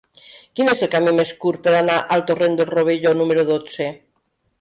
Quin és el camí més curt per anar al torrent del Rovelló número dotze?